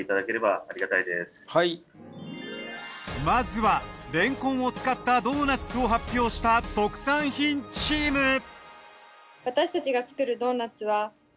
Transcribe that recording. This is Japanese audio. まずはレンコンを使ったドーナツを発表した特産品チーム。